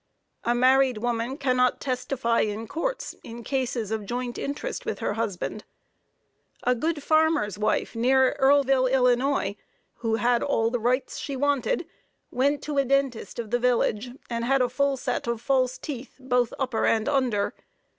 A married woman cannot testify in courts in cases of joint interest with her husband. A good farmer's wife near Earlville, Ill., who had all the rights she wanted, went to a dentist of the village and had a full set of false teeth, both upper and under.